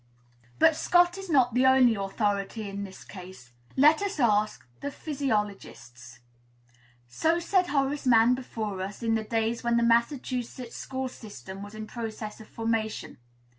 "But Scott is not the only authority in the case; let us ask the physiologists. So said Horace Mann before us, in the days when the Massachusetts school system was in process of formation.